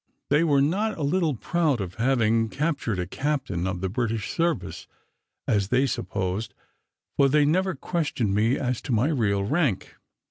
They were not a little proud of having captured a captain of the British service, as they supposed, for they never questioned me as to my real rank.